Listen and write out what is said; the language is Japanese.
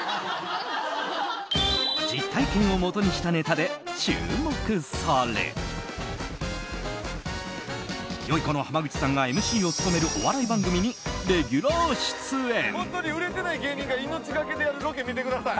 実体験をもとにしたネタで注目されよゐこの濱口さんがＭＣを務めるお笑い番組にレギュラー出演。